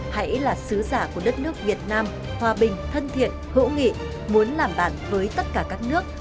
hãy là sứ giả của đất nước việt nam hòa bình thân thiện hữu nghị muốn làm bạn với tất cả các nước